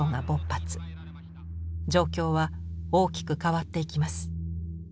状況は大きく変わっていきます。